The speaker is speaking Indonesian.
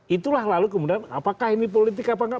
itulah lalu kemudian apakah ini politik apa enggak